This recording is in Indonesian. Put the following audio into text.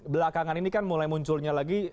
belakangan ini kan mulai munculnya lagi